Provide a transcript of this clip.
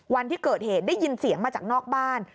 วันที่เกิดเหตุได้ยินเสียงมาจากนอกบ้าน